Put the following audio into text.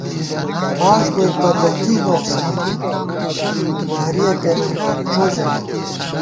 باݭ بوئیت بہ تہ کی نوخسان، وارِیَہ پېنہ ݫو ژَمېت